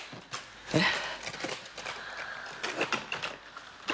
えっ？